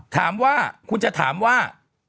ถามว่าคุณจะถามว่า